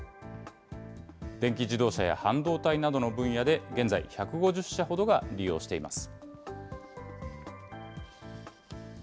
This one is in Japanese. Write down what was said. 電気自動車や半導体などの分野で、現在、１５０社ほどが利用しています。